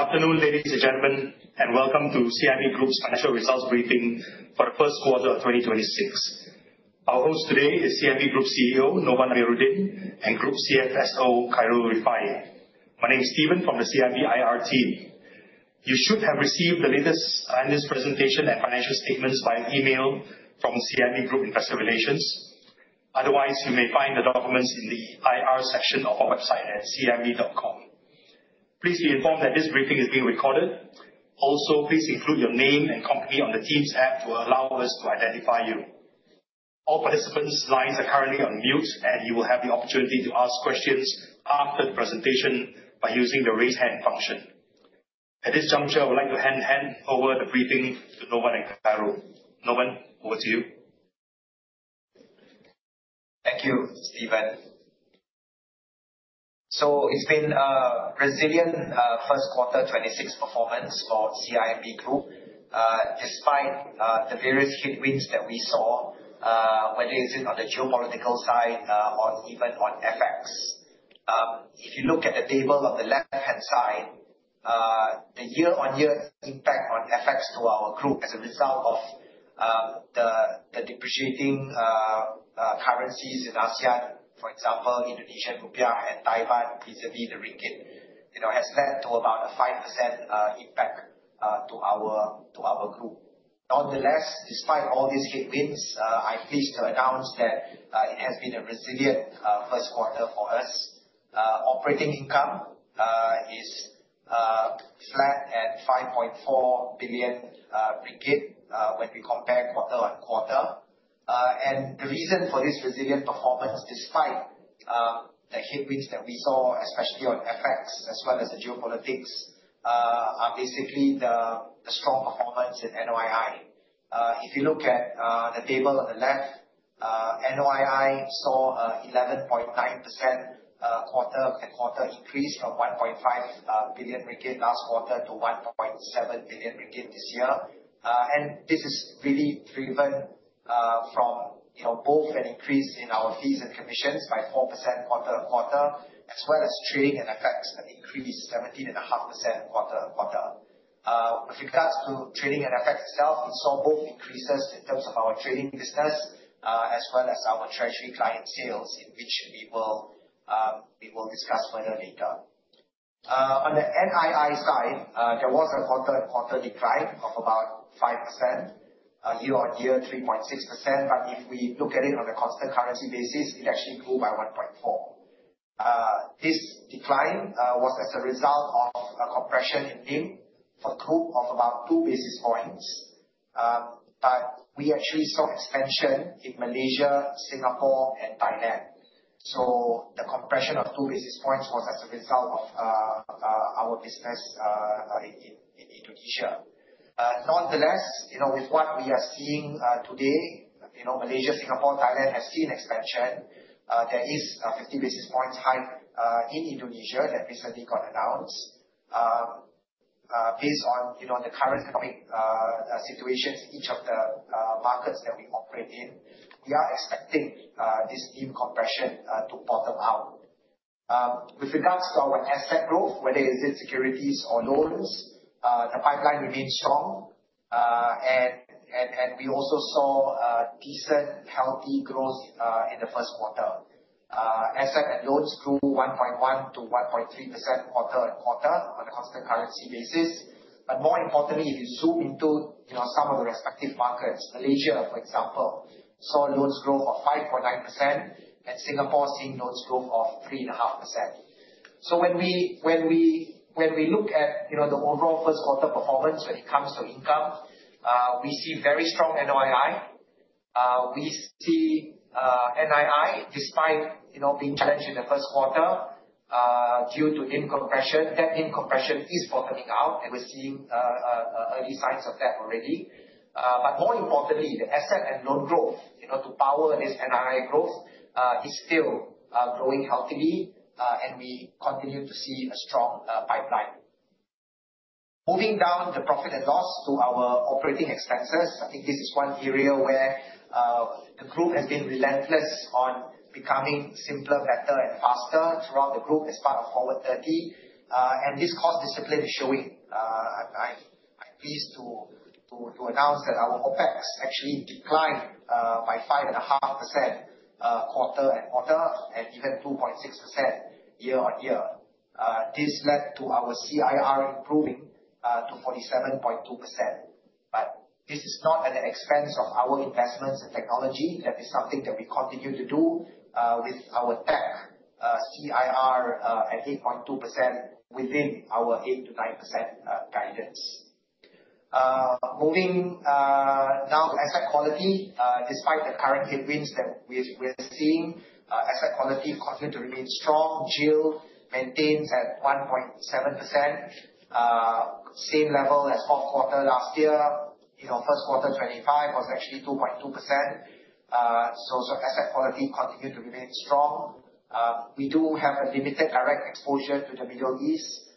Good afternoon, ladies and gentlemen, and welcome to CIMB Group's financial results briefing for the first quarter of 2026. Our host today is CIMB Group CEO, Novan Amirudin, and Group CFO, Khairul Rifaie. My name is Steven from the CIMB IR team. You should have received the latest investor presentation and financial statements via an email from CIMB Group Investor Relations. Otherwise, you may find the documents in the IR section of our website at cimb.com. Please be informed that this briefing is being recorded. Also, please include your name and company on the Teams app to allow us to identify you. All participants' lines are currently on mute, and you will have the opportunity to ask questions after the presentation by using the raise hand function. At this juncture, I would like to hand over the briefing to Novan and Khairul. Novan, over to you. Thank you, Steven. It's been a resilient first quarter 2026 performance for CIMB Group, despite the various headwinds that we saw, whether it is on the geopolitical side or even on FX. If you look at the table on the left-hand side, the year-on-year impact on FX to our group as a result of the depreciating currencies in ASEAN, for example, Indonesian rupiah, and Thailand, previously the ringgit, has led to about a 5% impact to our group. Nonetheless, despite all these headwinds, I'm pleased to announce that it has been a resilient first quarter for us. Operating income is flat at 5.4 billion ringgit when we compare quarter-on-quarter. The reason for this resilient performance, despite the headwinds that we saw, especially on FX as well as the geopolitics, are basically the strong performance in NOII. If you look at the table on the left, NOII saw an 11.9% quarter-on-quarter increase from 1.5 billion ringgit last quarter to 1.7 billion ringgit this year. This is really driven from both an increase in our fees and commissions by 4% quarter-on-quarter, as well as trading and FX that increased 17.5% quarter-on-quarter. With regards to trading and FX itself, we saw both increases in terms of our trading business as well as our treasury client sales in which we will discuss further later. On the NII side, there was a quarter-on-quarter decline of about 5%, year-on-year, 3.6%, if we look at it on a constant currency basis, it actually grew by 1.4%. This decline was as a result of a compression in NIM for 2 of about 2 basis points. We actually saw expansion in Malaysia, Singapore, and Thailand. The compression of 2 basis points was as a result of our business in Indonesia. Nonetheless, with what we are seeing today, Malaysia, Singapore, Thailand has seen expansion. There is a 50 basis points hike in Indonesia that recently got announced. Based on the current economic situation in each of the markets that we operate in, we are expecting this NIM compression to bottom out. With regards to our asset growth, whether it is in securities or loans, the pipeline remains strong, and we also saw a decent, healthy growth in the first quarter. Asset and loans grew 1.1%-1.3% quarter-on-quarter on a constant currency basis. More importantly, if you zoom into some of the respective markets, Malaysia, for example, saw loans grow of 5.9%, and Singapore seeing loans grow of 3.5%. When we look at the overall first quarter performance when it comes to income, we see very strong NOII. We see NII, despite being challenged in the first quarter, due to NIM compression. That NIM compression is bottoming out, and we're seeing early signs of that already. More importantly, the asset and loan growth to power this NII growth, is still growing healthily, and we continue to see a strong pipeline. Moving down the profit and loss to our operating expenses, I think this is one area where the Group has been relentless on becoming simpler, better, and faster throughout the Group as part of Forward30. This cost discipline is showing. I'm pleased to announce that our OpEx actually declined by 5.5% quarter-on-quarter and even 2.6% year-on-year. This led to our CIR improving to 47.2%. This is not at the expense of our investments in technology. That is something that we continue to do, with our tech CIR at 8.2% within our 8%-9% guidance. Moving now to asset quality. Despite the current headwinds that we're seeing, asset quality continued to remain strong. GIL maintains at 1.7%, same level as fourth quarter last year. First quarter 2025 was actually 2.2%, so asset quality continued to remain strong. We do have a limited direct exposure to the Middle East.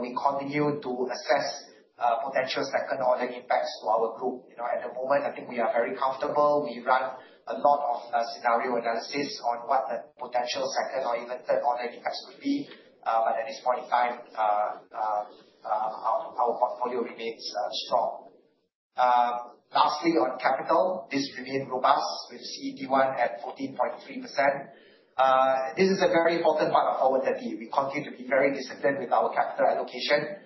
We continue to assess potential second order impacts to our group. At the moment, I think we are very comfortable. We run a lot of scenario analysis on what the potential second or even third order impacts would be. At this point in time, our portfolio remains strong. Lastly, on capital, this remained robust with CET1 at 14.3%. This is a very important part of our strategy. We continue to be very disciplined with our capital allocation.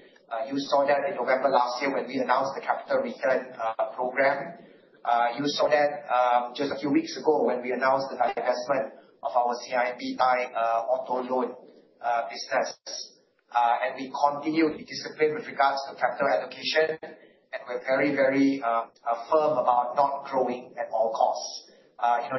You saw that in November last year when we announced the capital return program. You saw that just a few weeks ago when we announced the divestment of our CIMB Thai Auto Loan business. We continue to be disciplined with regards to capital allocation, and we're very, very firm about not growing at all costs.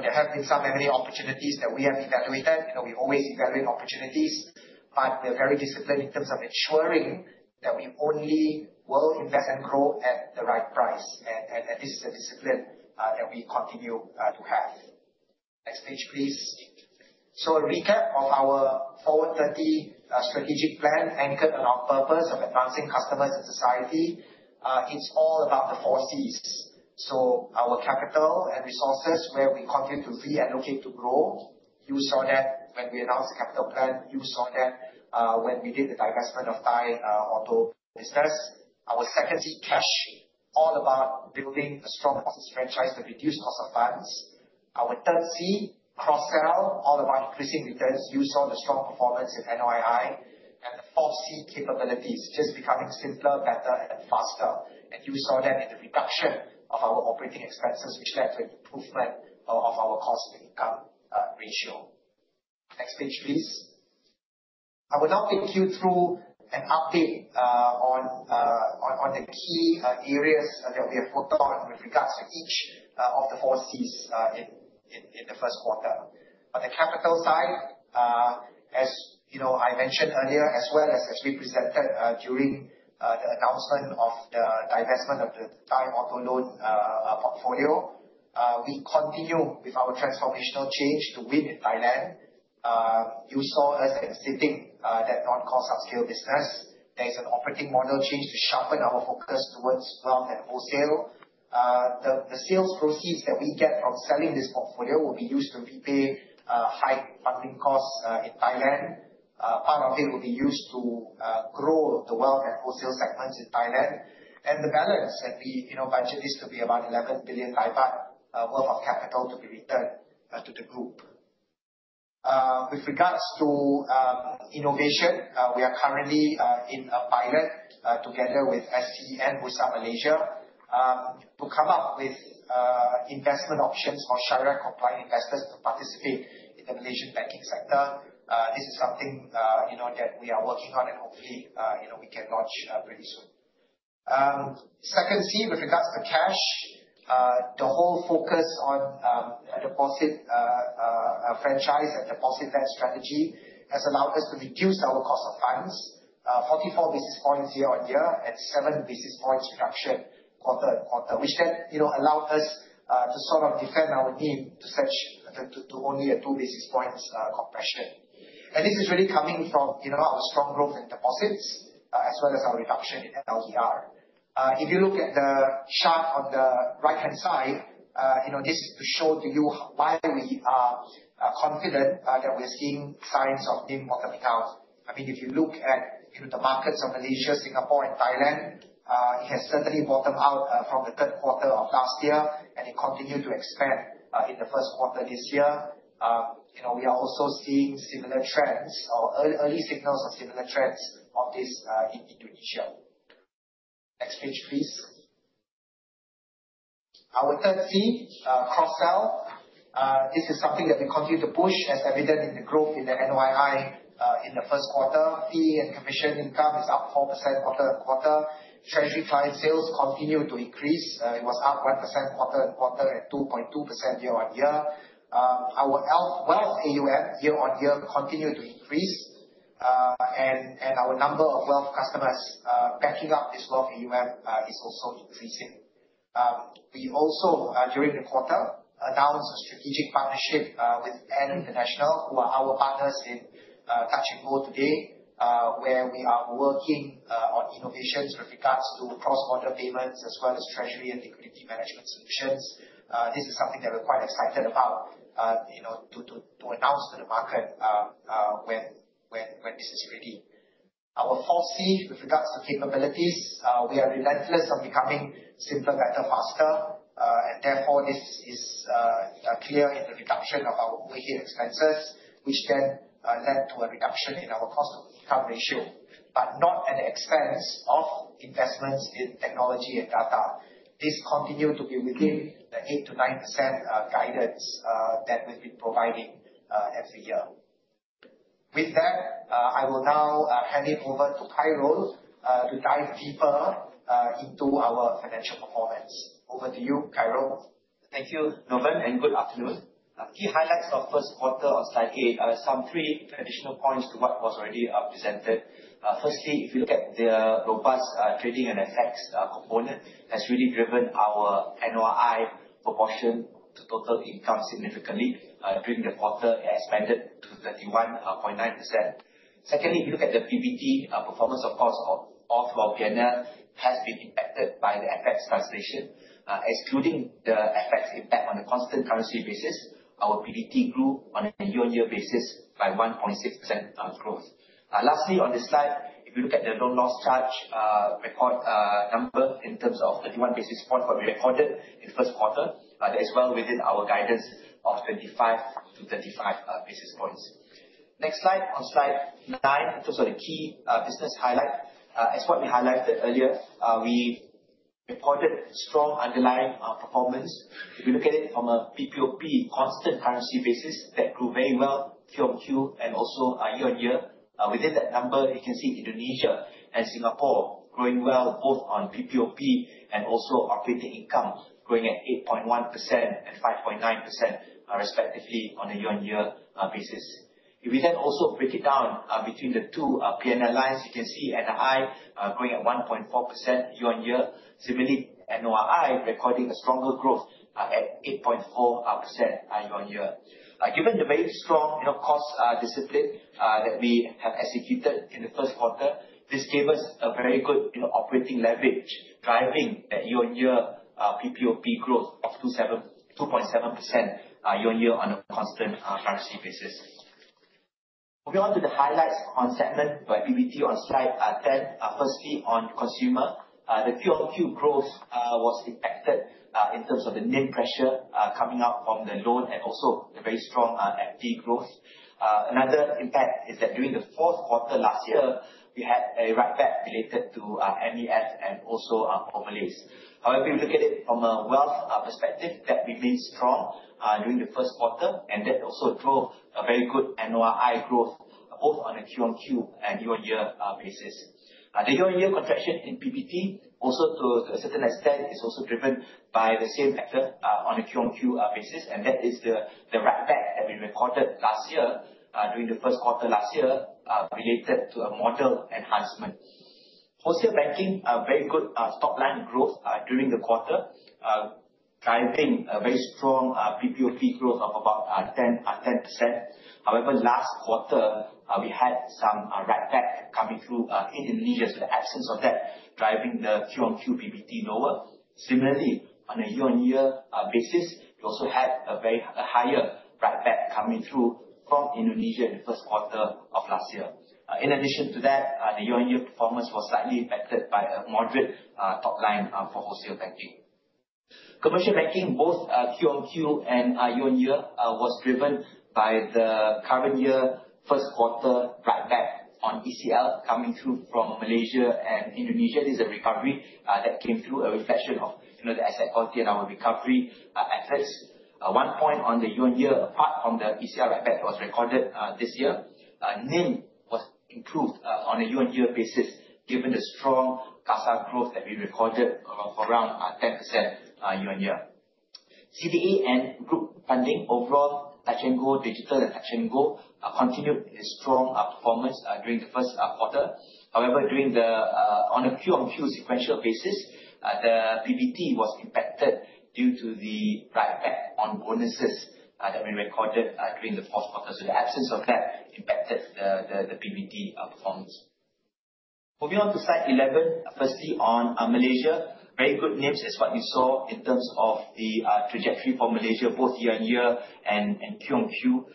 There have been so many opportunities that we have evaluated, and we always evaluate opportunities, but we are very disciplined in terms of ensuring that we only will invest and grow at the right price, and this is a discipline that we continue to have. Next page, please. A recap of our Forward30 strategic plan, anchored on our purpose of advancing customers and society. It's all about the four Cs. Our capital and resources, where we continue to reallocate to grow. You saw that when we announced the capital plan, you saw that when we did the divestment of Thai Auto Business. Our second C, cash, all about building a strong deposits franchise to reduce cost of funds. Our third C, cross-sell, all about increasing returns. You saw the strong performance in NOI. The fourth C, capabilities, just becoming simpler, better, and faster. You saw that in the reduction of our operating expenses, which led to improvement of our cost-to-income ratio. Next page, please. I will now take you through an update on the key areas that we have focused on with regards to each of the four Cs in the first quarter. On the capital side, as you know, I mentioned earlier as well as we presented during the announcement of the divestment of the CIMB Thai automotive financing portfolio, we continue with our transformational change to win in Thailand. You saw us exiting that non-core subscale business. There is an operating model change to sharpen our focus towards wealth and wholesale. The sales proceeds that we get from selling this portfolio will be used to repay high funding costs in Thailand. Part of it will be used to grow the wealth and wholesale segments in Thailand. The balance that we budget, this could be about 11 billion THB worth of capital to be returned to the group. With regards to innovation, we are currently in a pilot, together with Bursa Malaysia, to come up with investment options for Shariah-compliant investors to participate in the Malaysian banking sector. This is something that we are working on, and hopefully, we can launch pretty soon. Second C, with regards to cash, the whole focus on deposit franchise and deposit led strategy has allowed us to reduce our cost of funds 44 basis points year-on-year at 7 basis points reduction quarter-on-quarter, which then allowed us to sort of defend our NIM to only a 2 basis points compression. This is really coming from our strong growth in deposits, as well as our reduction in LDR. If you look at the chart on the right-hand side, this is to show to you why we are confident that we are seeing signs of NIM bottoming out. If you look at the markets of Malaysia, Singapore and Thailand, it has certainly bottomed out from the third quarter of last year, it continued to expand in the first quarter this year. We are also seeing similar trends or early signals of similar trends of this in Indonesia. Next page, please. Our third C, cross-sell. This is something that we continue to push, as evident in the growth in the NOI in the first quarter. Fee and commission income is up 4% quarter-on-quarter. Treasury product sales continue to increase. It was up 1% quarter-on-quarter and 2.2% year-on-year. Our wealth AUM year-on-year continued to increase, our number of wealth customers backing up this wealth AUM is also increasing. We also, during the quarter, announced a strategic partnership with Ant International, who are our partners in Touch 'n Go today, where we are working on innovations with regards to cross-border payments as well as treasury and liquidity management solutions. This is something that we're quite excited about to announce to the market when this is ready. Our fourth C, with regards to capabilities, we are relentless on becoming simpler, better, faster. Therefore, this is clear in the reduction of our overhead expenses, which then led to a reduction in our cost-to-income ratio, but not at the expense of investments in technology and data. This continued to be within the 8%-9% guidance that we've been providing every year. With that, I will now hand it over to Khairul to dive deeper into our financial performance. Over to you, Khairul. Thank you, Norham, and good afternoon. Key highlights of first quarter on slide eight, some three additional points to what was already presented. Firstly, if you look at the robust trading and FX component, has really driven our NOI proportion to total income significantly during the quarter, it expanded to 31.9%. Secondly, if you look at the PBT performance, of course, of all flow P&L has been impacted by the FX translation. Excluding the FX impact on a constant currency basis, our PBT grew on a year-on-year basis by 1.6% growth. Lastly, on this slide, if you look at the loan loss charge number in terms of 31 basis points were recorded in the first quarter. That is well within our guidance of 25 to 35 basis points. Next slide, on slide nine, in terms of the key business highlight. As what we highlighted earlier, we recorded strong underlying performance. If you look at it from a PPOP constant currency basis, that grew very well Q-on-Q and also year-on-year. Within that number, you can see Indonesia and Singapore growing well both on PPOP and also operating income growing at 8.1% and 5.9% respectively on a year-on-year basis. If we then also break it down between the two PNL lines, you can see NII growing at 1.4% year-on-year. Similarly, NOI recording a stronger growth at 8.4% year-on-year. Given the very strong cost discipline that we have executed in the first quarter, this gave us a very good operating leverage driving that year-on-year PPOP growth of 2.7% year-on-year on a constant currency basis. Moving on to the highlights on segment by PBT on slide 10. Firstly, on consumer, the Q-on-Q growth was impacted in terms of the NIM pressure coming out from the loan and also the very strong FD growth. Another impact is that during the fourth quarter last year, we had a write-back related to MEF and also formalities. However, if you look at it from a wealth perspective, that remains strong during the first quarter, and that also drove a very good NOI growth, both on a Q-on-Q and year-on-year basis. The year-on-year contraction in PBT, also to a certain extent, is also driven by the same factor on a Q-on-Q basis, and that is the write-back that we recorded last year, during the first quarter last year, related to a model enhancement. Wholesale banking, very good top line growth during the quarter, driving a very strong PPOP growth of about 10%. Last quarter, we had some write-back coming through in Indonesia. The absence of that driving the Q-on-Q PBT lower. Similarly, on a year-on-year basis, we also had a higher write-back coming through from Indonesia in the first quarter of last year. In addition to that, the year-on-year performance was slightly impacted by a moderate top line for wholesale banking. Commercial banking, both Q-on-Q and year-on-year, was driven by the current year first quarter write-back on ECL coming through from Malaysia and Indonesia. This is a recovery that came through a reflection of the asset quality and our recovery efforts. One point on the year-on-year, apart from the ECL write-back that was recorded this year, NIM was improved on a year-on-year basis given the strong CASA growth that we recorded of around 10% year-on-year. CDE and group funding overall, TNG Digital and Touch 'n Go, continued a strong performance during the first quarter. However, on a Q-on-Q sequential basis, the PBT was impacted due to the write-back on bonuses that we recorded during the fourth quarter. The absence of that impacted the PBT performance. Moving on to slide 11. Firstly, on Malaysia, very good NIMs is what we saw in terms of the trajectory for Malaysia, both year-on-year and Q-on-Q.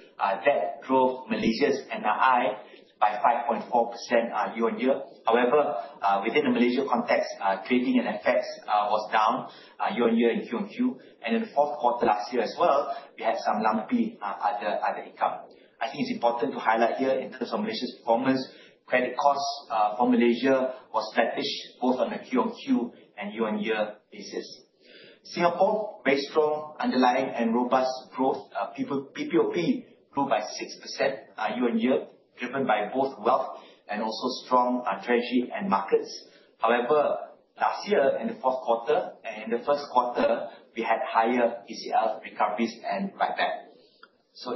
That drove Malaysia's NII by 5.4% year-on-year. However, within the Malaysia context, trading and FX was down year-on-year and Q-on-Q. In the fourth quarter last year as well, we had some lumpy other income. I think it's important to highlight here in terms of Malaysia's performance, credit costs for Malaysia was sluggish, both on a Q-on-Q and year-on-year basis. Singapore, very strong underlying and robust growth. PPOP grew by 6% year-on-year, driven by both wealth and also strong treasury and markets. However, last year in the first quarter and in the first quarter, we had higher ECL recoveries and write-back.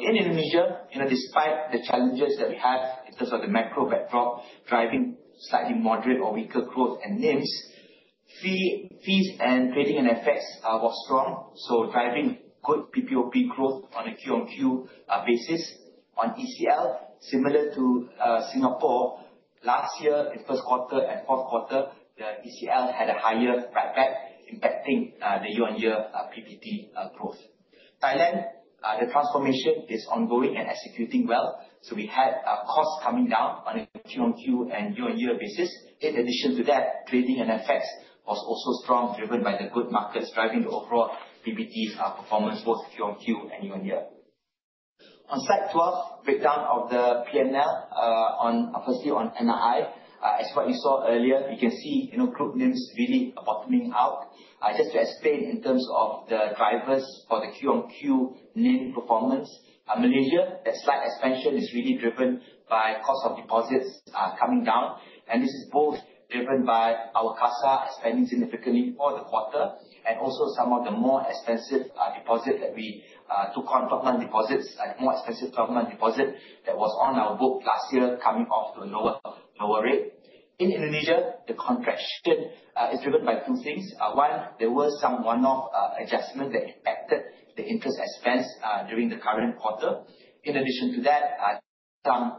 In Indonesia, despite the challenges that we have in terms of the macro backdrop driving slightly moderate or weaker growth and NIMs, fees and trading and FX was strong, driving good PPOP growth on a Q-on-Q basis. On ECL, similar to Singapore, last year in first quarter and fourth quarter, the ECL had a higher write-back impacting the year-on-year PBT growth. Thailand, the transformation is ongoing and executing well. We had costs coming down on a Q-on-Q and year-on-year basis. In addition to that, trading and FX was also strong, driven by the good markets driving the overall PBT's performance, both Q-on-Q and year-on-year. On slide 12, breakdown of the PNL, firstly on NII. As what you saw earlier, you can see group NIMs really bottoming out. Just to explain in terms of the drivers for the Q-on-Q NIM performance. Malaysia, a slight expansion is really driven by cost of deposits coming down, and this is both driven by our CASA expanding significantly for the quarter, and also some of the more expensive deposit that we took on, 12-month deposits, like more expensive 12-month deposit that was on our book last year coming off to a lower rate. In Indonesia, the contraction is driven by two things. One, there were some one-off adjustments that impacted the interest expense during the current quarter. In addition to that, some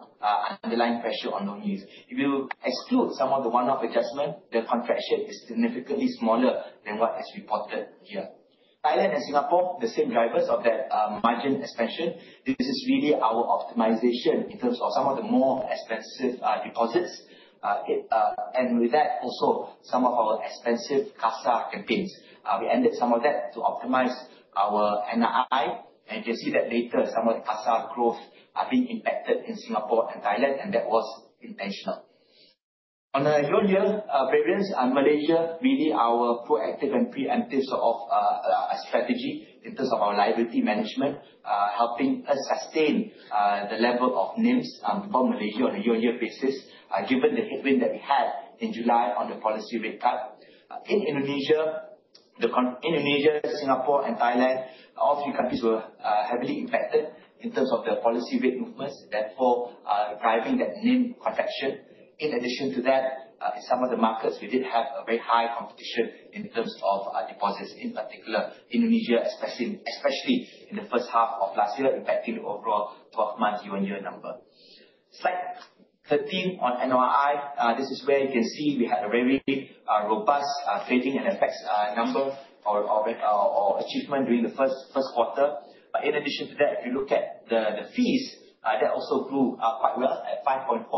underlying pressure on loans. If you exclude some of the one-off adjustment, the contraction is significantly smaller than what is reported here. Thailand and Singapore, the same drivers of that margin expansion. This is really our optimization in terms of some of the more expensive deposits. With that also some of our expensive CASA campaigns. We ended some of that to optimize our NII, and you'll see that later some of the CASA growth are being impacted in Singapore and Thailand, and that was intentional. On a year-on-year variance, Malaysia, really our proactive and preemptive strategy in terms of our liability management, helping us sustain the level of NIMs for Malaysia on a year-on-year basis, given the headwind that we had in July on the policy rate cut. In Indonesia, Singapore, and Thailand, all three countries were heavily impacted in terms of their policy rate movements, therefore, driving that NIM contraction. In addition to that, in some of the markets, we did have a very high competition in terms of deposits, in particular Indonesia, especially in the first half of last year, impacting the overall 12-month year-on-year number. Slide 13 on NOI. This is where you can see we had a very robust trading and FX number or achievement during the first quarter. In addition to that, if you look at the fees, that also grew quite well at 5.4%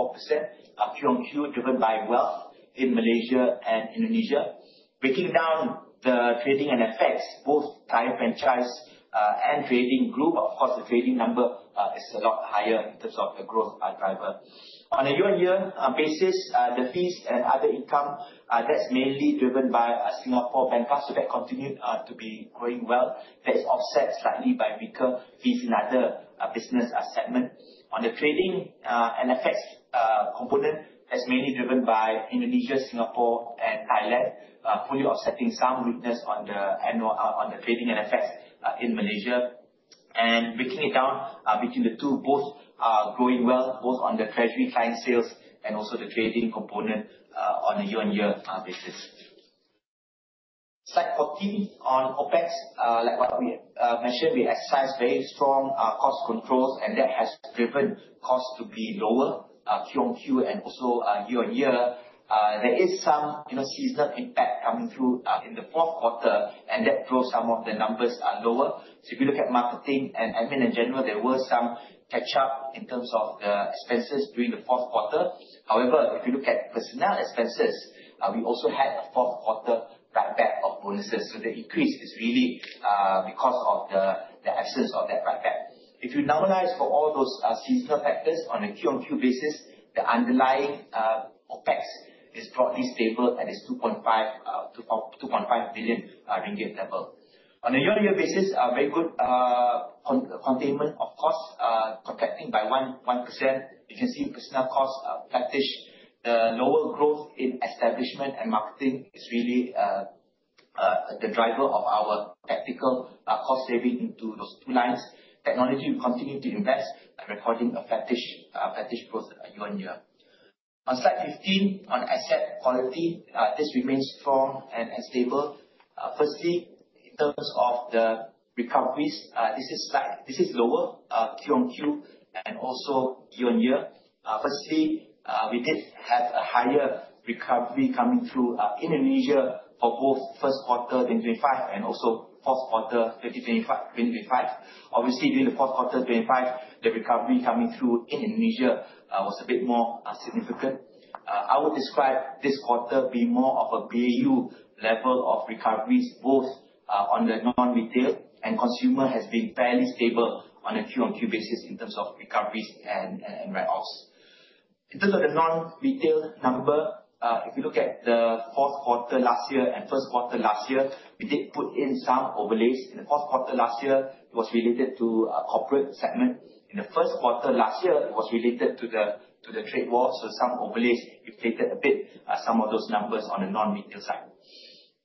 Q on Q, driven by wealth in Malaysia and Indonesia. Breaking down the trading and FX, both client franchise and trading grew. Of course, the trading number is a lot higher in terms of the growth driver. On a year-on-year basis, the fees and other income, that is mainly driven by Singapore bank, so that continued to be growing well. That is offset slightly by weaker fees in other business segments. On the trading and FX component, that is mainly driven by Indonesia, Singapore, and Thailand, fully offsetting some weakness on the trading and FX in Malaysia. Breaking it down between the two, both are growing well, both on the treasury client sales and also the trading component, on a year-on-year basis. Slide 14 on OpEx. Like what we mentioned, we exercised very strong cost controls, that has driven costs to be lower Q on Q and also year-on-year. There is some seasonal impact coming through in the fourth quarter, that drove some of the numbers lower. If you look at marketing and admin in general, there were some catch up in terms of the expenses during the fourth quarter. If you look at personnel expenses, we also had a fourth quarter write-back of bonuses. The increase is really because of the absence of that write-back. If you normalize for all those seasonal factors on a Q on Q basis, the underlying OpEx is broadly stable at this 2.5 billion ringgit level. On a year-on-year basis, very good containment of costs, protecting by 1%. You can see personnel costs, flattish. The lower growth in establishment and marketing is really the driver of our tactical cost saving into those two lines. Technology, we continue to invest, recording a flattish growth year-on-year. On slide 15, on asset quality, this remains strong and stable. Firstly, in terms of the recoveries, this is lower Q on Q and also year-on-year. Firstly, we did have a higher recovery coming through Indonesia for both first quarter in 2025 and also fourth quarter 2025. Obviously, during the fourth quarter of 2025, the recovery coming through in Indonesia was a bit more significant. I would describe this quarter being more of a pay you level of recoveries, both on the non-retail, and consumer has been fairly stable on a Q on Q basis in terms of recoveries and write-offs. In terms of the non-retail number, if you look at the fourth quarter last year and first quarter last year, we did put in some overlays. In the fourth quarter last year, it was related to our corporate segment. In the first quarter last year, it was related to the trade war. Some overlays inflated a bit, some of those numbers on the non-retail side.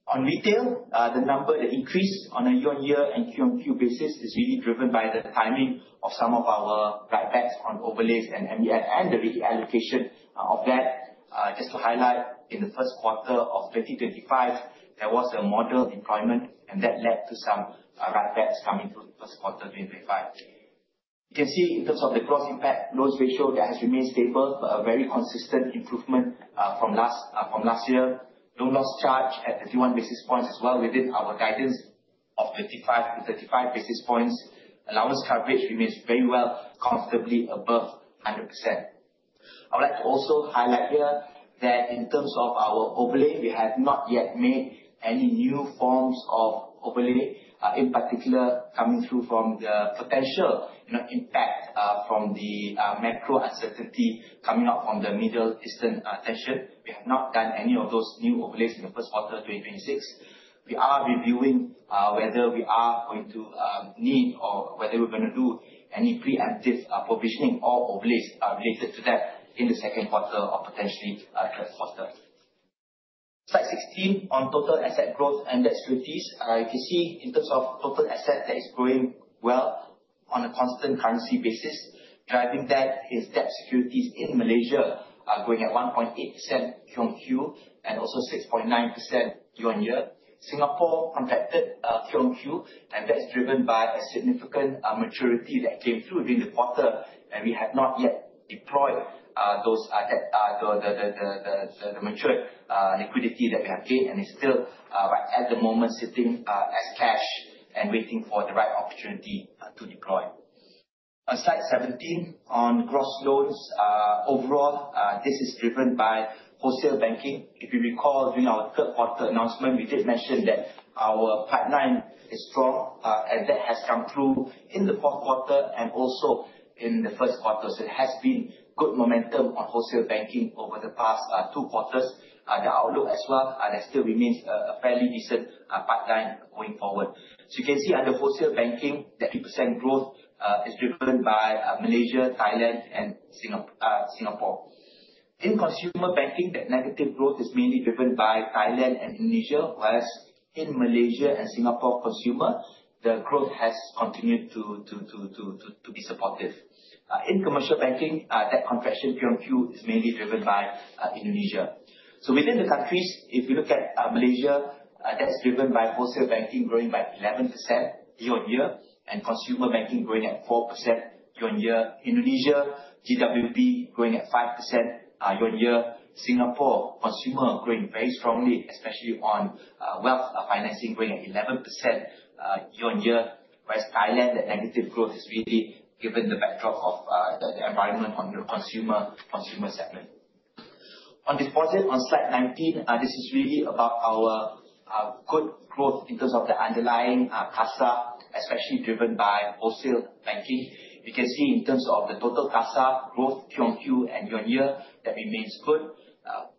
On retail, the number, the increase on a year-on-year and Q on Q basis is really driven by the timing of some of our write-backs on overlays and the reallocation of that. Just to highlight, in the first quarter of 2025, there was a model deployment, and that led to some write-backs coming through the first quarter of 2025. You can see in terms of the gross impact, loans ratio there has remained stable, a very consistent improvement from last year. Low loss charge at 31 basis points as well within our guidance of 35 to 35 basis points. Allowance coverage remains very well comfortably above 100%. I would like to also highlight here that in terms of our overlay, we have not yet made any new forms of overlay, in particular coming through from the potential impact from the macro uncertainty coming out from the Middle Eastern tension. We have not done any of those new overlays in the first quarter 2026. We are reviewing whether we are going to need or whether we're going to do any preemptive provisioning or overlays related to that in the second quarter or potentially third quarter. Slide 16 on total asset growth and debt securities. You can see in terms of total asset, that is growing well. On a constant currency basis, driving that is debt securities in Malaysia are growing at 1.8% QOQ and also 6.9% year-on-year. Singapore contracted QOQ and that's driven by a significant maturity that came through during the quarter, and we have not yet deployed the matured liquidity that we have gained, and it's still at the moment sitting as cash and waiting for the right opportunity to deploy. Slide 17 on gross loans. Overall, this is driven by wholesale banking. If you recall, during our third quarter announcement, we did mention that our pipeline is strong, and that has come through in the fourth quarter and also in the first quarter. It has been good momentum on wholesale banking over the past two quarters. The outlook as well, that still remains a fairly decent pipeline going forward. You can see under Wholesale Banking that 8% growth is driven by Malaysia, Thailand, and Singapore. In consumer banking, that negative growth is mainly driven by Thailand and Indonesia. Whereas in Malaysia and Singapore consumer, the growth has continued to be supportive. In commercial banking, that contraction QOQ is mainly driven by Indonesia. Within the countries, if you look at Malaysia, that's driven by wholesale banking growing by 11% year-on-year, and consumer banking growing at 4% year-on-year. Indonesia, GWB growing at 5% year-on-year. Singapore consumer growing very strongly, especially on wealth financing, growing at 11% year-on-year. Thailand, that negative growth is really given the backdrop of the environment on the consumer segment. On deposit on slide 19, this is really about our good growth in terms of the underlying CASA, especially driven by wholesale banking. We can see in terms of the total CASA growth QOQ and year-on-year, that remains good.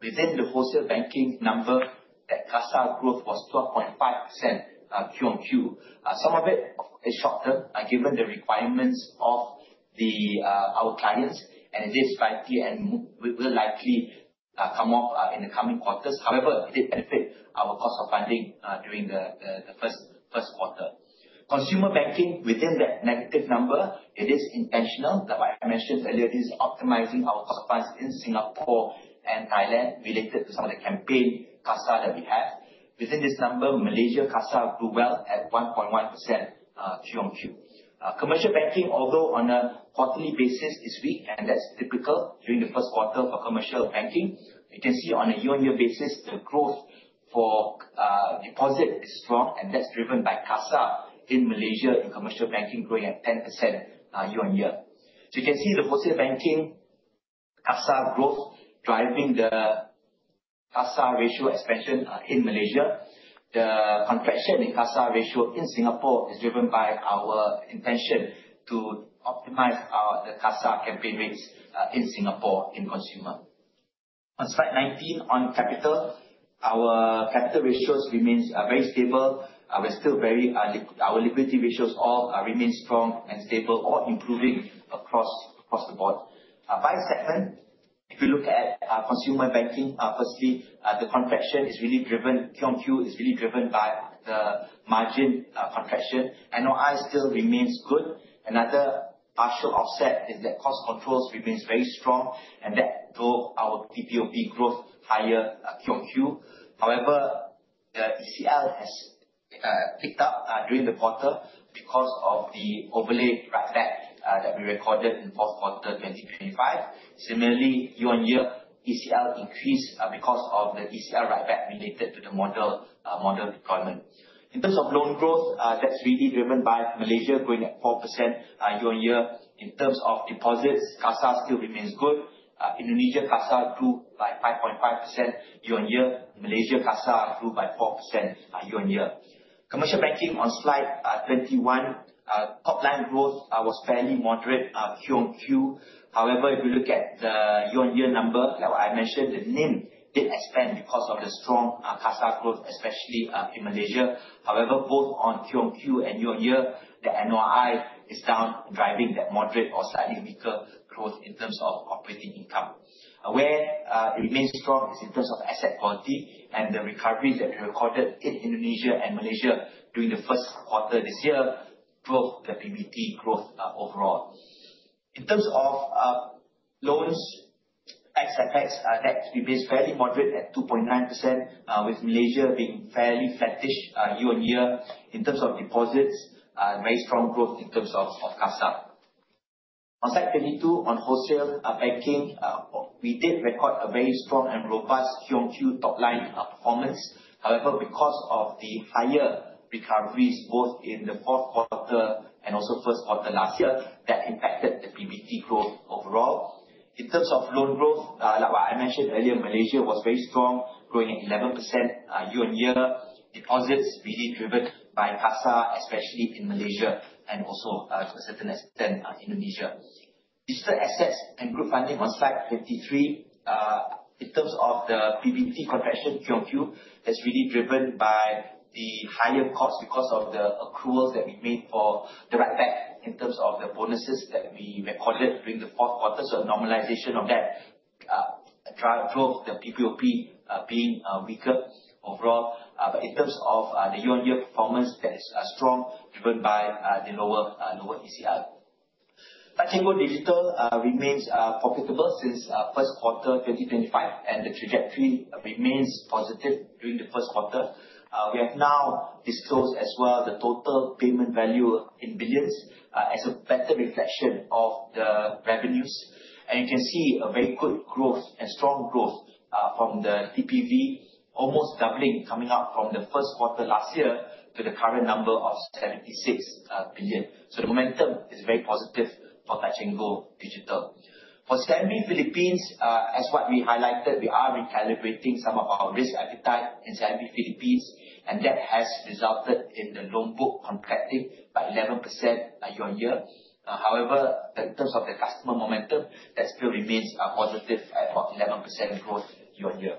Within the wholesale banking number, that CASA growth was 12.5% QOQ. Some of it is short-term, given the requirements of our clients, and this likely will come off in the coming quarters. However, it did benefit our cost of funding during the first quarter. Consumer banking, within that negative number, it is intentional. Like I mentioned earlier, this is optimizing our cost base in Singapore and Thailand related to some of the campaign CASA that we have. Within this number, Malaysia CASA grew well at 1.1% QOQ. Commercial banking, although on a quarterly basis is weak, and that's typical during the first quarter for commercial banking. You can see on a year-on-year basis, the growth for deposit is strong, and that's driven by CASA in Malaysia in commercial banking growing at 10% year-on-year. So you can see the wholesale banking CASA growth driving the CASA ratio expansion in Malaysia. The contraction in CASA ratio in Singapore is driven by our intention to optimize the CASA campaign rates in Singapore in consumer. On slide 19 on capital, our capital ratios remains very stable. Our liquidity ratios all remain strong and stable or improving across the board. By segment, if you look at our consumer banking, firstly, the contraction QOQ is really driven by the margin contraction. NOI still remains good. Another partial offset is that cost controls remains very strong, and that drove our PPOP growth higher QOQ. However, the ECL has picked up during the quarter because of the overlay write-back that we recorded in fourth quarter 2025. Similarly, year-on-year, ECL increased because of the ECL write-back related to the model deployment. In terms of loan growth, that's really driven by Malaysia growing at 4% year-on-year. In terms of deposits, CASA still remains good. Indonesia CASA grew by 5.5% year-on-year. Malaysia CASA grew by 4% year-on-year. Commercial banking on slide 21. Top line growth was fairly moderate QOQ. However, if you look at the year-on-year number, like I mentioned, the NIM did expand because of the strong CASA growth, especially in Malaysia. However, both on QOQ and year-on-year, the NOI is down, driving that moderate or slightly weaker growth in terms of operating income. Where it remains strong is in terms of asset quality and the recoveries that we recorded in Indonesia and Malaysia during the first quarter this year, drove the PBT growth overall. In terms of loans, ex-FX, that remains fairly moderate at 2.9%, with Malaysia being fairly flattish year-on-year. In terms of deposits, very strong growth in terms of CASA. On slide 22 on wholesale banking, we did record a very strong and robust QOQ top line performance. However, because of the higher recoveries both in the fourth quarter and also first quarter last year, that impacted the PBT growth overall. In terms of loan growth, like I mentioned earlier, Malaysia was very strong, growing at 11% year-on-year. Deposits really driven by CASA, especially in Malaysia and also to a certain extent, Indonesia. Digital Assets and Group Funding on slide 23. In terms of the PBT contraction QOQ, that's really driven by the higher cost because of the accruals that we made for the write-back in terms of the bonuses that we recorded during the fourth quarter. Normalization of that Drive growth, the PPOP being weaker overall. In terms of the year-on-year performance, that is strong, driven by the lower ECL. TNG Digital remains profitable since first quarter 2025, and the trajectory remains positive during the first quarter. We have now disclosed as well the total payment value in billions as a better reflection of the revenues. You can see a very good growth and strong growth from the TPV, almost doubling, coming up from the first quarter last year to the current number of 76 billion. The momentum is very positive for TNG Digital. For CIMB Bank Philippines, as what we highlighted, we are recalibrating some of our risk appetite in CIMB Bank Philippines, and that has resulted in the loan book contracting by 11% year-on-year. However, in terms of the customer momentum, that still remains positive at about 11% growth year-on-year.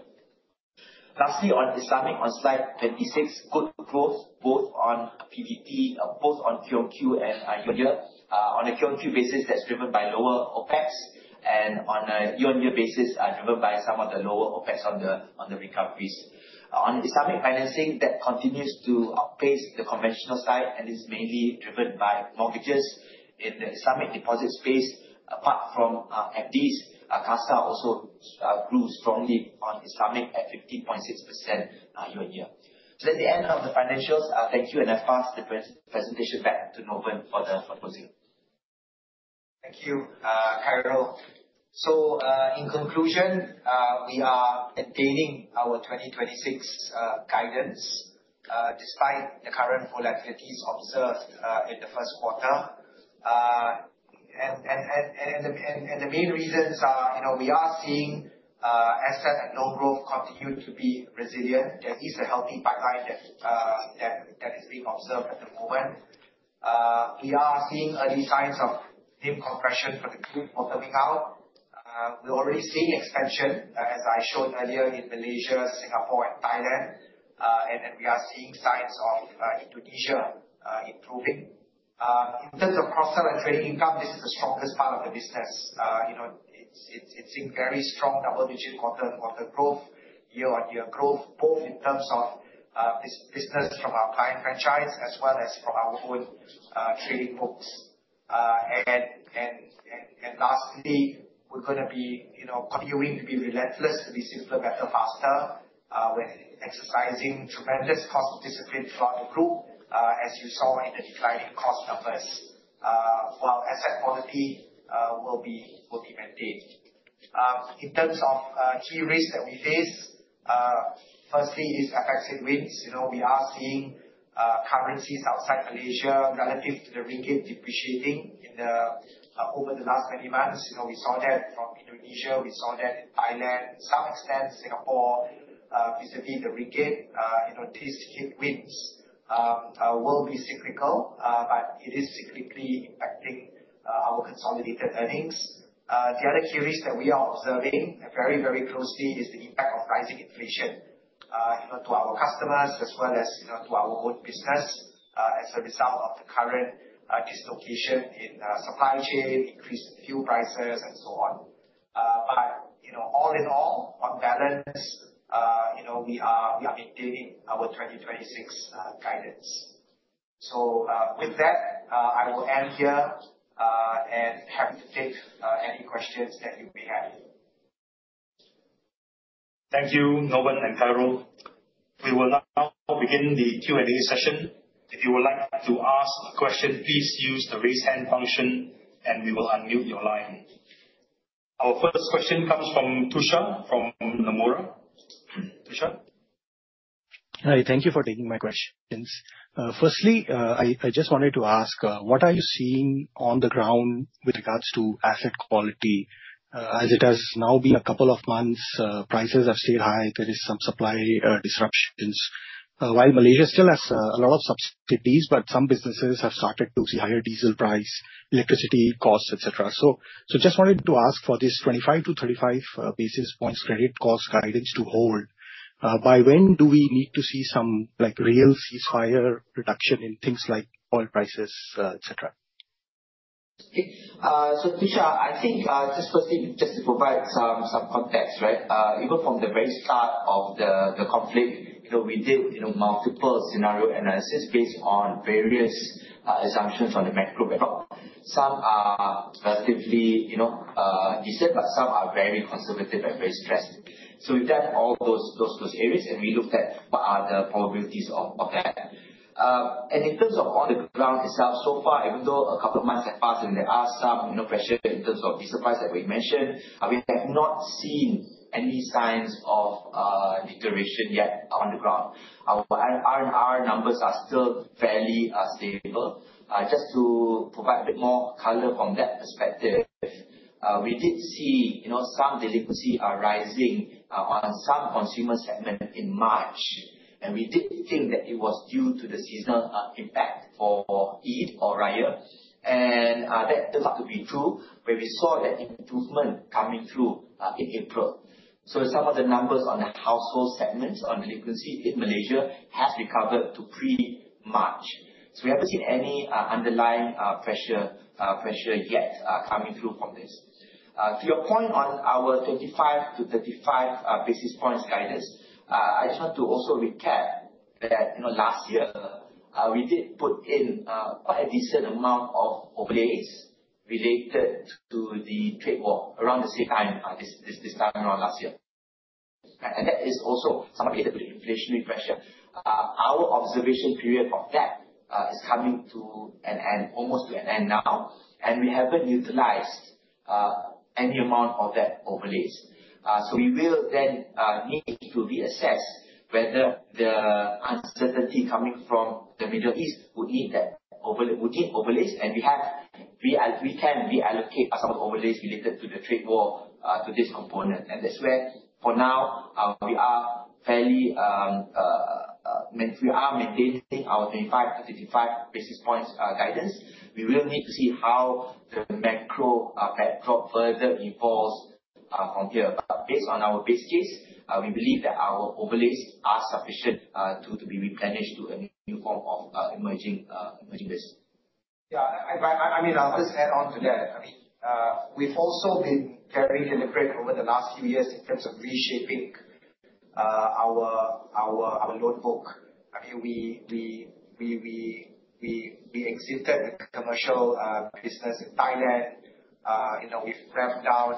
Lastly, on Islamic, on slide 26, good growth both on quarter-on-quarter and year-on-year. On a quarter-on-quarter basis, that's driven by lower OpEx, and on a year-on-year basis, driven by some of the lower OpEx on the recoveries. On Islamic financing, that continues to outpace the conventional side and is mainly driven by mortgages in the Islamic deposit space. Apart from FDs, CASA also grew strongly on Islamic at 50.6% year-on-year. At the end of the financials, thank you, and I pass the presentation back to Norbin for the closing. Thank you, Khairul. In conclusion, we are attaining our 2026 guidance, despite the current volatilities observed in the first quarter. The main reasons are, we are seeing asset and loan growth continue to be resilient. That is a healthy pipeline that is being observed at the moment. We are seeing early signs of NIM compression for the group altering now. We're already seeing expansion, as I showed earlier, in Malaysia, Singapore, and Thailand. We are seeing signs of Indonesia improving. In terms of cross-sell and trading income, this is the strongest part of the business. It's seeing very strong double-digit quarter-on-quarter growth, year-on-year growth, both in terms of business from our client franchise as well as from our own trading books. Lastly, we're going to be continuing to be relentless to be simpler, better, faster, with exercising tremendous cost discipline from the group, as you saw in the declining cost numbers. While asset quality will be maintained. In terms of key risks that we face, firstly is effective headwinds. We are seeing currencies outside Malaysia relative to the ringgit depreciating over the last many months. We saw that from Indonesia, we saw that in Thailand, to some extent Singapore, vis-a-vis the ringgit. These headwinds will be cyclical, but it is cyclically impacting our consolidated earnings. The other key risk that we are observing very closely is the impact of rising inflation to our customers, as well as to our own business, as a result of the current dislocation in supply chain, increased fuel prices, and so on. All in all, on balance, we are maintaining our 2026 guidance. With that, I will end here, and happy to take any questions that you may have. Thank you, Norbin and Khairil. We will now begin the Q&A session. If you would like to ask a question, please use the raise hand function, and we will unmute your line. Our first question comes from Tushar from Nomura. Tushar? Hi, thank you for taking my questions. Firstly, I just wanted to ask, what are you seeing on the ground with regards to asset quality? As it has now been a couple of months, prices have stayed high. There is some supply disruptions. While Malaysia still has a lot of subsidies, but some businesses have started to see higher diesel price, electricity costs, et cetera. Just wanted to ask for this 25 to 35 basis points credit cost guidance to hold, by when do we need to see some real ceasefire reduction in things like oil prices, et cetera? Tushar, I think, just firstly, just to provide some context. Even from the very start of the conflict, we did multiple scenario analysis based on various assumptions on the macro level. Some are relatively decent, but some are very conservative and very stressed. We've done all those areas, and we looked at what are the probabilities of that. And in terms of on the ground itself, so far, even though a couple of months have passed and there are some pressure in terms of diesel price, like we mentioned, we have not seen any signs of deterioration yet on the ground. Our R&R numbers are still fairly stable. Just to provide a bit more color from that perspective, we did see some delinquency rising on some consumer segment in March, and we did think that it was due to the seasonal impact for Eid, or Raya, and that turned out to be true when we saw that improvement coming through in April. Some of the numbers on the household segments on delinquency in Malaysia have recovered to pre-March. We haven't seen any underlying pressure yet coming through from this. To your point on our 25 to 35 basis points guidance, I just want to also recap That last year, we did put in quite a decent amount of overlays related to the trade war around the same time, this time around last year. That is also somewhat related to the inflationary pressure. Our observation period for that is coming to an end, almost to an end now, and we haven't utilized any amount of that overlays. We will then need to reassess whether the uncertainty coming from the Middle East would need overlays, and we can reallocate some overlays related to the trade war to this component. That's where for now, we are maintaining our 25 to 55 basis points guidance. We will need to see how the macro backdrop further evolves from here. Based on our base case, we believe that our overlays are sufficient to be replenished to a new form of emerging risk. Yeah. I'll just add on to that. We've also been very deliberate over the last few years in terms of reshaping our loan book. We exited the commercial business in Thailand. We've ramped down,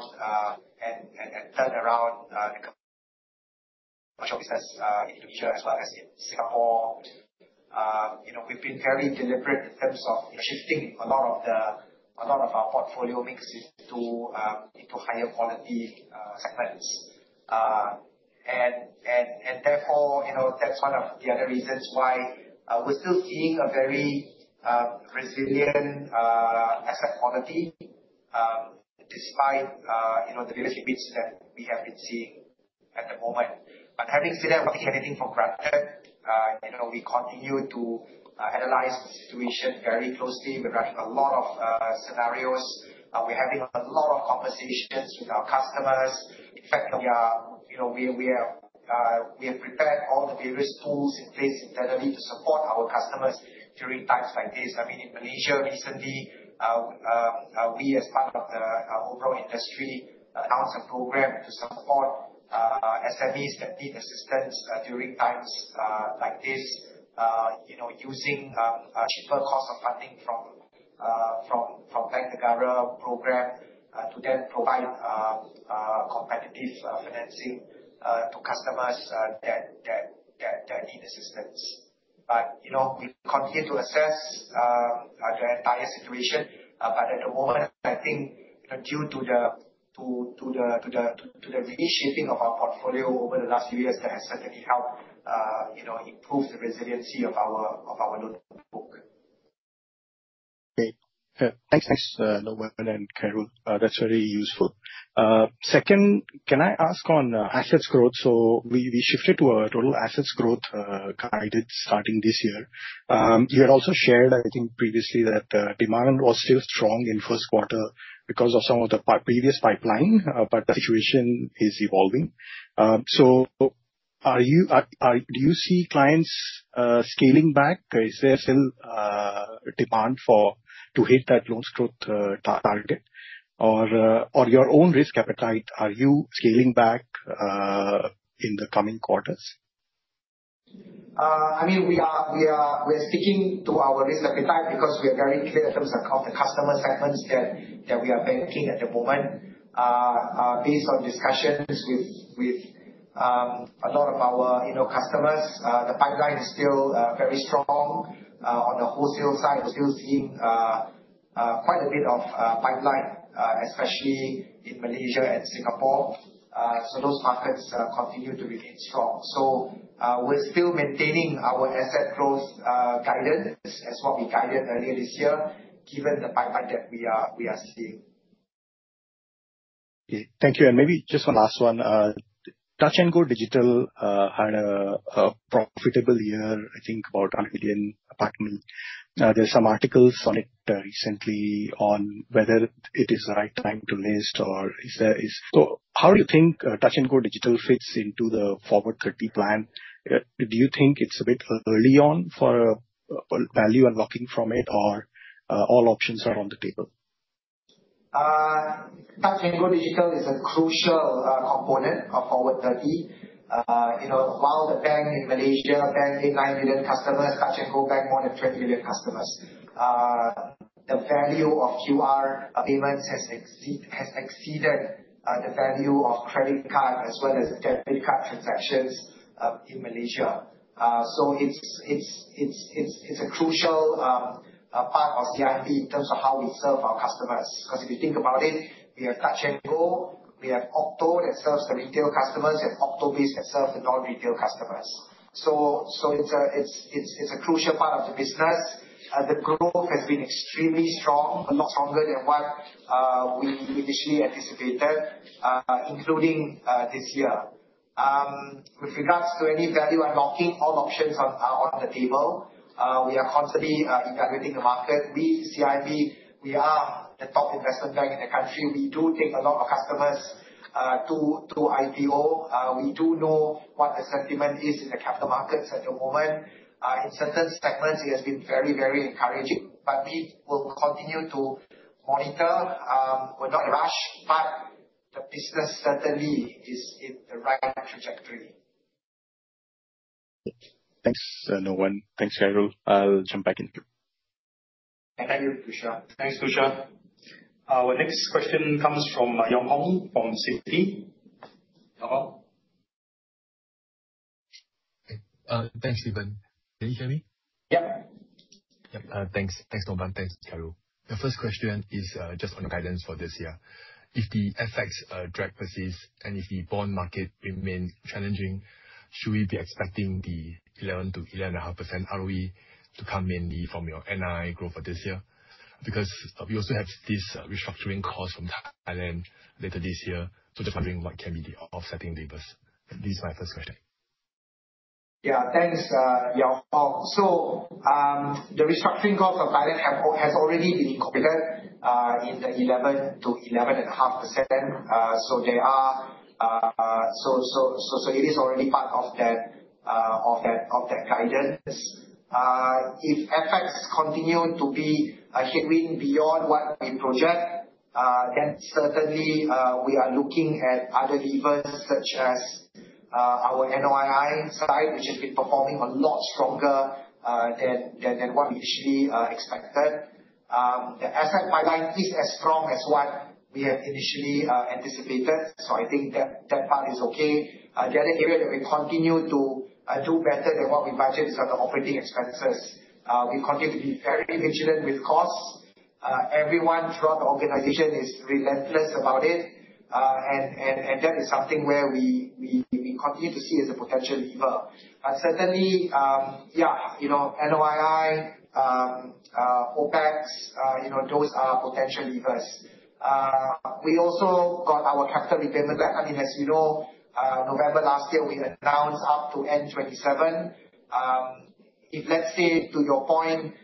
and turned around the commercial business, Indonesia, as well as in Singapore. We've been very deliberate in terms of shifting a lot of our portfolio mix into higher quality segments. Therefore, that's one of the other reasons why we're still seeing a very resilient asset quality, despite the various bits that we have been seeing at the moment. Having said that, not taking anything for granted, we continue to analyze the situation very closely. We're running a lot of scenarios. We're having a lot of conversations with our customers. In fact, we have prepared all the various tools in place internally to support our customers during times like this. In Malaysia recently, we, as part of the overall industry, announced a program to support SMEs that need assistance during times like this, using cheaper cost of funding from Bank Negara program, to then provide competitive financing to customers that need assistance. We continue to assess the entire situation. At the moment, I think due to the reshaping of our portfolio over the last few years, that has certainly helped improve the resiliency of our loan book. Great. Thanks, Novan and Khairul. That's very useful. Second, can I ask on assets growth? We shifted to a total assets growth guided starting this year. You had also shared, I think previously, that demand was still strong in first quarter because of some of the previous pipeline, but the situation is evolving. Do you see clients scaling back? Is there still demand to hit that loans growth target? Your own risk appetite, are you scaling back in the coming quarters? We're sticking to our risk appetite because we are very clear in terms of the customer segments that we are banking at the moment. Based on discussions with a lot of our customers, the pipeline is still very strong. On the wholesale side, we're still seeing quite a bit of pipeline, especially in Malaysia and Singapore. Those markets continue to remain strong. We're still maintaining our asset growth guidance as what we guided earlier this year, given the pipeline that we are seeing. Okay, thank you. Maybe just one last one. TNG Digital had a profitable year, I think about 100 million. There's some articles on it recently on whether it is the right time to list or is there. How do you think TNG Digital fits into the Forward30 plan? Do you think it's a bit early on for value unlocking from it, all options are on the table? TNG Digital is a crucial component of Forward30. While the bank in Malaysia bank eight, nine million customers, Touch 'n Go bank more than 20 million customers. The value of QR payments has exceeded the value of credit card as well as debit card transactions in Malaysia. It's a crucial part of CIMB in terms of how we serve our customers. If you think about it, we have Touch 'n Go, we have OCTO that serves the retail customers, and OCTO Biz that serves the non-retail customers. It's a crucial part of the business. The growth has been extremely strong, a lot stronger than what we initially anticipated, including this year. With regards to any value unlocking, all options are on the table. We are constantly evaluating the market. We, CIMB, we are the top investment bank in the country. We do take a lot of customers to IPO. We do know what the sentiment is in the capital markets at the moment. In certain segments, it has been very encouraging. We will continue to monitor. We'll not rush, but the business certainly is in the right trajectory. Thanks, Novan. Thanks, Khairul. I'll jump back in queue. Thank you, Tushar. Thanks, Tushar. Our next question comes from Yeong Hong from Citi. Yeong Hong? Thanks, Steven. Can you hear me? Yeah. Thanks. Thanks, Novan. Thanks, Khairul. The first question is just on the guidance for this year. If the FX drag persists and if the bond market remains challenging, should we be expecting the 11%-11.5% ROE to come mainly from your NII growth for this year? Because we also have this restructuring cost from Thailand later this year, so determining what can be the offsetting levers. This is my first question. Yeah, thanks, Yeong Hong. The restructuring cost of Thailand has already been included in the 11%-11.5%, so it is already part of that guidance. If FX continue to be a headwind beyond what we project, certainly we are looking at other levers, such as our NOII side, which has been performing a lot stronger than what we initially expected. The asset pipeline is as strong as what we had initially anticipated. I think that part is okay. The other area that we continue to do better than what we budget is on the operating expenses. We continue to be very vigilant with costs. Everyone throughout the organization is relentless about it, and that is something where we continue to see as a potential lever. NOII, OpEx, those are potential levers. We also got our capital repayment back. As you know, November last year, we announced up to N27. Let's say, to your point,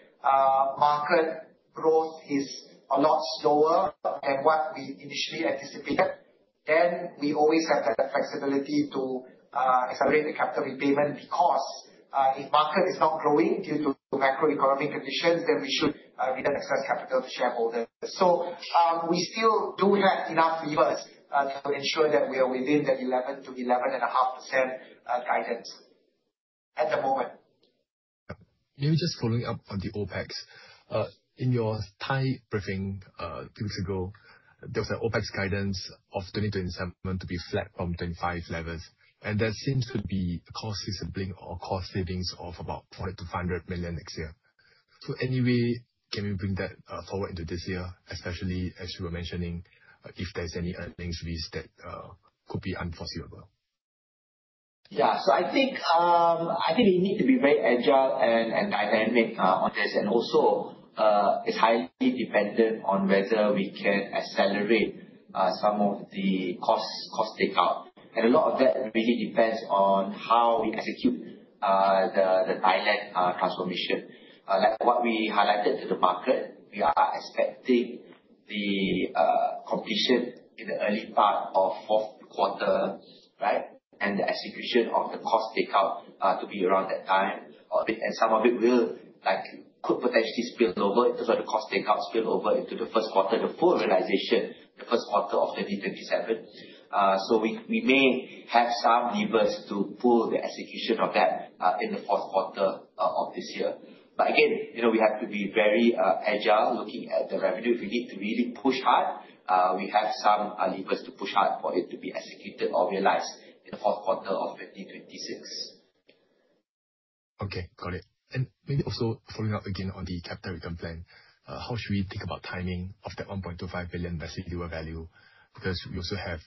market growth is a lot slower than what we initially anticipated, we always have that flexibility to accelerate the capital repayment, because if market is not growing due to macroeconomic conditions, we should return excess capital to shareholders. We still do have enough levers to ensure that we are within that 11%-11.5% guidance at the moment. Maybe just following up on the OpEx. In your Thai briefing two weeks ago, there was an OpEx guidance of 2027 to be flat from 2025 levels, and that seems to be a cost disciplined or cost savings of about 400 million-500 million next year. Anyway, can we bring that forward into this year, especially as you were mentioning, if there's any earnings risk that could be unforeseeable? I think we need to be very agile and dynamic on this. Also, it's highly dependent on whether we can accelerate some of the cost takeout. A lot of that really depends on how we execute the Thailand transformation. Like what we highlighted to the market, we are expecting the completion in the early part of fourth quarter, and the execution of the cost takeout to be around that time. Some of it could potentially spill over in terms of the cost takeout spill over into the first quarter, the full realization, the first quarter of 2027. We may have some levers to pull the execution of that in the fourth quarter of this year. Again, we have to be very agile looking at the revenue. If we need to really push hard, we have some levers to push hard for it to be executed or realized in the fourth quarter of 2026. Okay, got it. Maybe also following up again on the capital return plan. How should we think about timing of that 1.25 billion residual value? Because we also have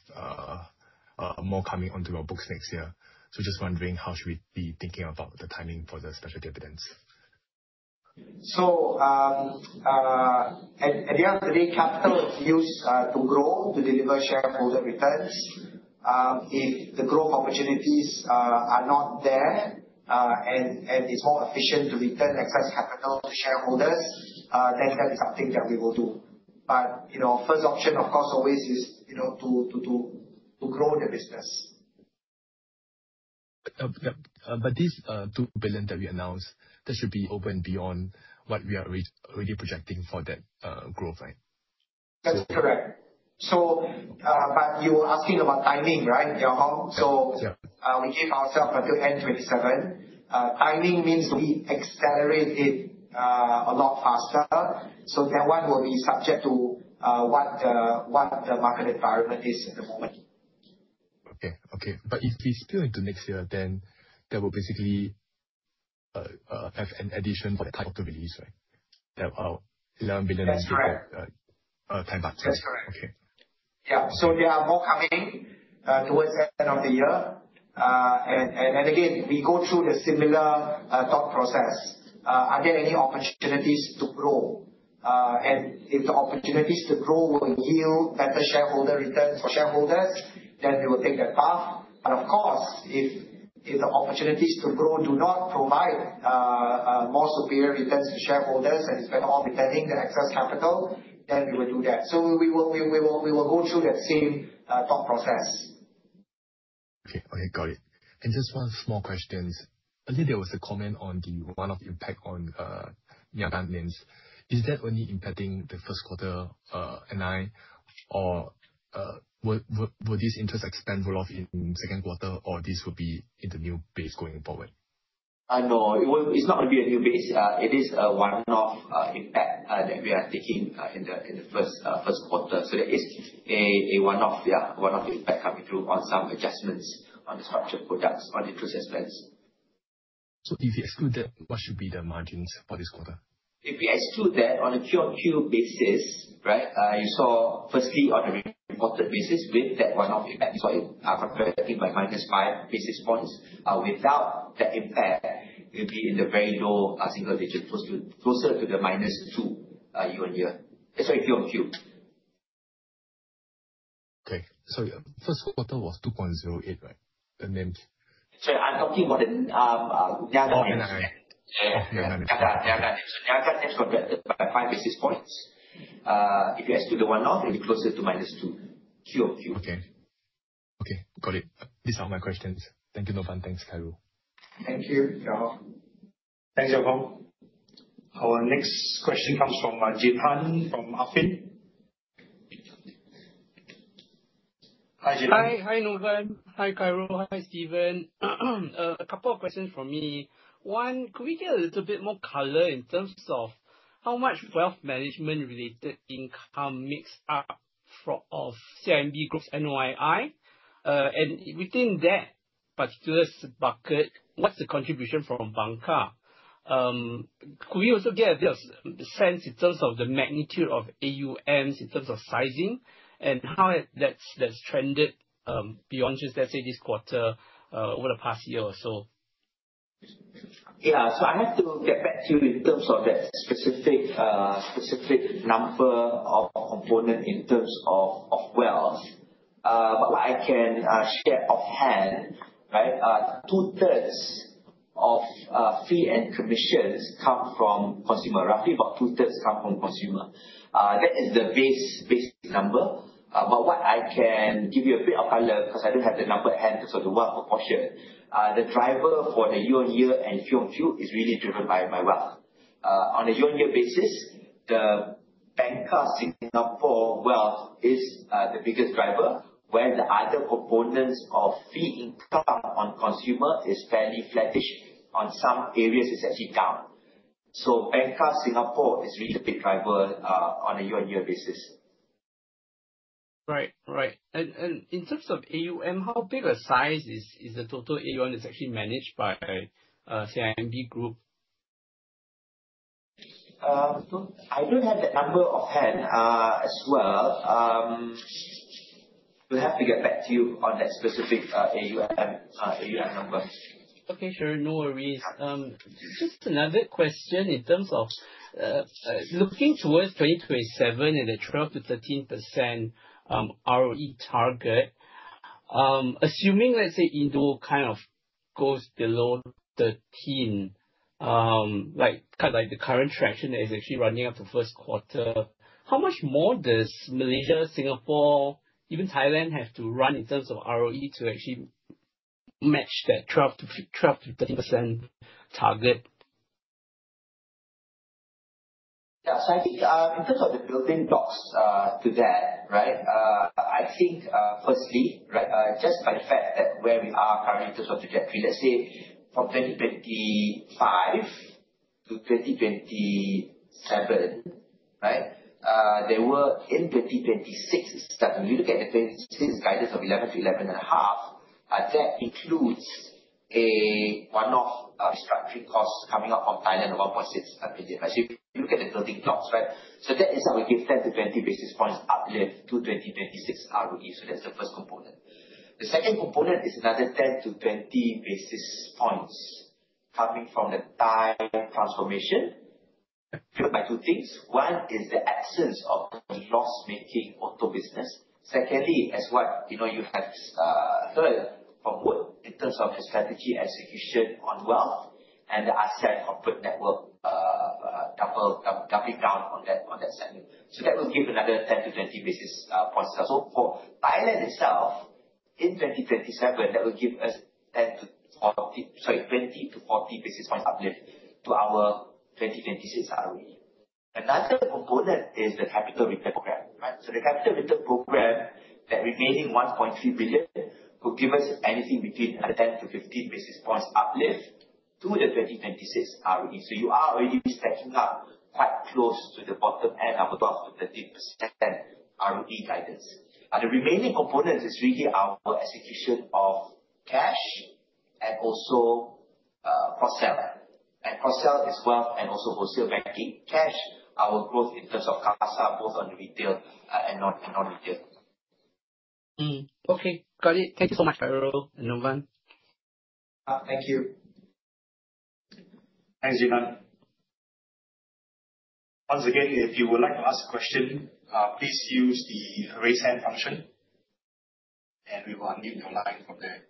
more coming onto our books next year. Just wondering, how should we be thinking about the timing for the special dividends? At the end of the day, capital is used to grow, to deliver shareholder returns. If the growth opportunities are not there, and it's more efficient to return excess capital to shareholders, then that is something that we will do. First option, of course, always is to grow the business. this 2 billion that we announced, that should be open beyond what we are already projecting for that growth, right? That's correct. You were asking about timing, right, Yong Hong? Yeah. We gave ourselves until N27. Timing means we accelerate it a lot faster. That one will be subject to what the market environment is at the moment. Okay. If we spill into next year, then that will basically have an addition for the profit release, right? That's correct. MYR 10. That's correct. Okay. Yeah. There are more coming towards the end of the year. Again, we go through the similar thought process. Are there any opportunities to grow? If the opportunities to grow will yield better shareholder returns for shareholders, then we will take that path. Of course, if the opportunities to grow do not provide more superior returns to shareholders, and it's better off returning the excess capital, then we will do that. We will go through that same thought process. Okay, got it. Just one small question. Earlier, there was a comment on the one-off impact on Niaga loans. Is that only impacting the first quarter NII, or will this interest expense roll off in the second quarter, or will this be in the new base going forward? No, it's not going to be a new base. It is a one-off impact that we are taking in the first quarter. That is a one-off impact coming through on some adjustments on the structured products, on the cross-sells plans. If you exclude that, what should be the margins for this quarter? If we exclude that on a quarter-over-quarter basis, you saw firstly on the reported basis with that one-off impact, you saw it contracted by minus five basis points. Without that impact, it will be in the very low single digit, closer to the minus two year-on-year. That's for QOQ. first quarter was 2.08, right? Sorry, I'm talking about Niaga. Of Niaga. Niaga. Niaga has contracted by five basis points. If you exclude the one now, it will be closer to minus two QOQ. Okay, got it. These are my questions. Thank you, Novan. Thanks, Khairul. Thank you, Jia Hang. Thanks, Jia Hang. Our next question comes from Jegan from Affin. Hi, Jegan. Hi, Novan. Hi, Khairul. Hi, Steven. A couple of questions from me. One, could we get a little bit more color in terms of how much wealth management-related income makes up of CIMB Group's NOII? Within that particular bucket, what's the contribution from Bancassurance? Could we also get a sense in terms of the magnitude of AUMs, in terms of sizing, and how that's trended beyond just, let's say, this quarter, over the past year or so? I have to get back to you in terms of that specific number of component in terms of wealth. But what I can share offhand, two-thirds of fee and commissions come from consumer, roughly about two-thirds come from consumer. That is the base number. But what I can give you a bit of color, because I don't have the number at hand in terms of the wealth proportion. The driver for the year-on-year and QOQ is really driven by wealth. On a year-on-year basis, the Bancassurance Singapore wealth is the biggest driver, where the other components of fee income on consumer is fairly flattish, on some areas it's actually down. Bancassurance Singapore is really the big driver on a year-on-year basis. Right. In terms of AUM, how big a size is the total AUM that's actually managed by CIMB Group? I don't have that number offhand as well. We'll have to get back to you on that specific AUM number. Okay, sure. No worries. Just another question in terms of, looking towards 2027 and the 12%-13% ROE target, assuming, let's say, Indo kind of goes below 13, the current traction that is actually running up to first quarter, how much more does Malaysia, Singapore, even Thailand, have to run in terms of ROE to actually match that 12%-13% target? Yeah. I think, in terms of the building blocks to that, I think, firstly, just by the fact that where we are currently in terms of the trajectory, let's say from 2025 to 2027, in 2026, when you look at the 2026 guidance of 11 to 11 and a half, that includes a one-off restructuring cost coming out from Thailand of 1.6 billion. If you look at the building blocks, that is how we give 10 to 20 basis points uplift to 2026 ROE. That's the first component. The second component is another 10 to 20 basis points coming from the Thai transformation, fueled by two things. One is the absence of the loss-making auto business. Secondly, as what you have heard from Beth in terms of the strategy execution on wealth and the asset and corporate network doubling down on that segment. That will give another 10 to 20 basis points. For Thailand itself, in 2027, that will give us 10 to 40, sorry, 20 to 40 basis points uplift to our 2026 ROE. Another component is the capital return program. The capital return program, that remaining 1.3 billion, could give us anything between 10 to 15 basis points uplift to the 2026 ROE. You are already stacking up quite close to the bottom end of the 12%-13% ROE guidance. The remaining component is really our execution of cash and also cross-sell. Cross-sell is wealth and also wholesale banking. Cash, our growth in terms of CASA, both on retail and non-retail. Okay, got it. Thank you so much, Khairul and Novan. Thank you. Thanks, Jegan. Once again, if you would like to ask a question, please use the Raise Hand function, and we will unmute your line from there.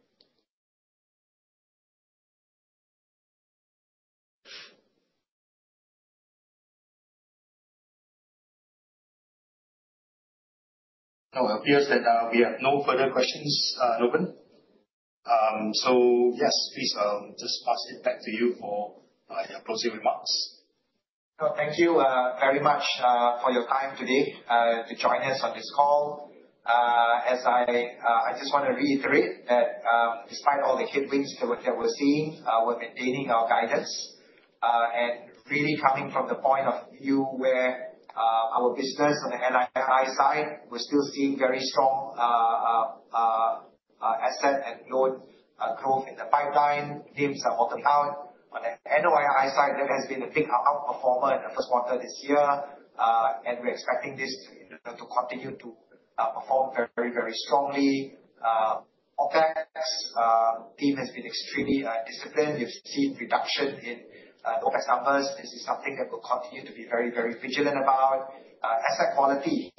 It appears that we have no further questions, Noran. Yes, please, I'll just pass it back to you for your closing remarks. Thank you very much for your time today, to join us on this call. I just want to reiterate that despite all the headwinds that we're seeing, we're maintaining our guidance, and really coming from the point of view where our business on the NII side, we still see very strong asset and loan growth in the pipeline. NIMs are holding out. On the NOII side, that has been a big outperformer in the first quarter this year, and we're expecting this to continue to perform very strongly. OpEx team has been extremely disciplined. You've seen reduction in OpEx numbers. This is something that we'll continue to be very vigilant about. Asset quality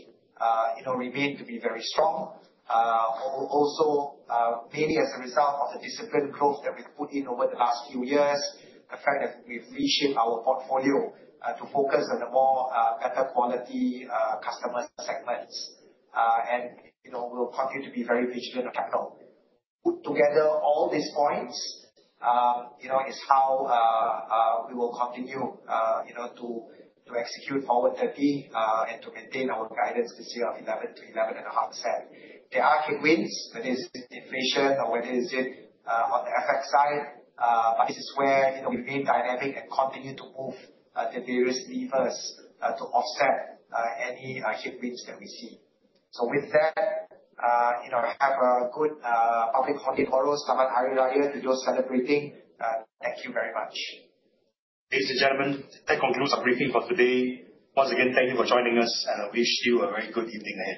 remains to be very strong. Also, mainly as a result of the disciplined growth that we've put in over the last few years, the fact that we've reshaped our portfolio to focus on the better quality customer segments. We'll continue to be very vigilant. Put together all these points, is how we will continue to execute forward, and to maintain our guidance this year of 11 to 11.5%. There are headwinds, whether it's inflation or whether it's on the FX side, but this is where we remain dynamic and continue to move the various levers to offset any headwinds that we see. With that, have a good public holiday tomorrow, Selamat Hari Raya to those celebrating. Thank you very much. Ladies and gentlemen, that concludes our briefing for today. Once again, thank you for joining us, and I wish you a very good evening. Thank you